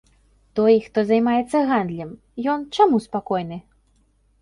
Той, хто займаецца гандлем, ён чаму спакойны?